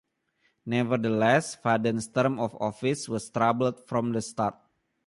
Nevertheless, Fadden's term of office was troubled from the start.